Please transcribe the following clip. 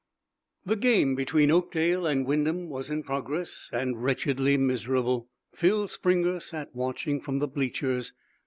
The game between Oakdale and Wyndham was in progress, and, wretchedly miserable, Phil Springer sat watching from the bleachers.